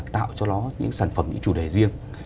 tạo cho nó những sản phẩm những chủ đề riêng